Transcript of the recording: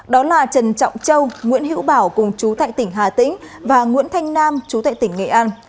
đó là trần trọng châu nguyễn hữu bảo cùng chú tại tỉnh hà tĩnh và nguyễn thanh nam chú tại tỉnh nghệ an